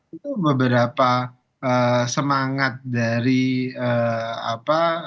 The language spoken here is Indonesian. itu beberapa semangat dari apa